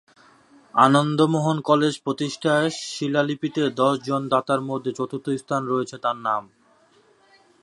Ananda Mohan college প্রতিষ্ঠায় শিলালিপিতে দশজন দাতার মধ্যে চতুর্থ স্থানে রয়েছে তার নাম।